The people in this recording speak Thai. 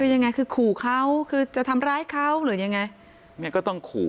ยังไงคือขู่เขาคือจะทำร้ายเขาหรือยังไงแม่ก็ต้องขู่